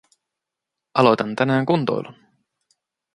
Aloitan tänään kuntoilun.